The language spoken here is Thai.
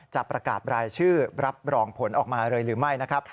จะประกาศรายชื่อรับรองผลออกมาเลยหรือไม่นะครับ